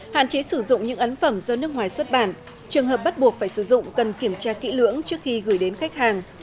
hạn chế sử dụng những ấn phẩm do nước ngoài xuất bản trường hợp bắt buộc phải sử dụng cần kiểm tra kỹ lưỡng trước khi gửi đến khách hàng